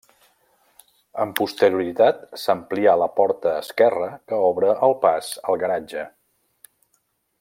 Amb posterioritat s'amplià la porta esquerra que obre el pas al garatge.